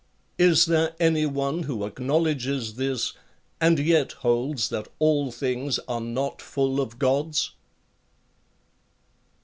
Is there any one who acknowledges this, and yet holds that all things are not full of gods